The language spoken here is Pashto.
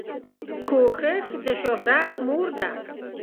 کوښښ دشهرت مور ده